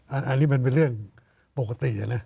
อันนี้เป็นเรื่องปกติ